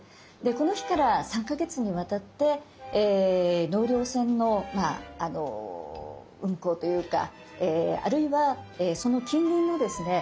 この日から３か月にわたって納涼船の運行というかあるいはその近隣のですね